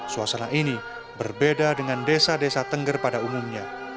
suasana ini berbeda dengan desa desa tengger pada umumnya